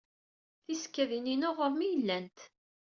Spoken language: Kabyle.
Tisekkadin-inu ɣer-m ay llant.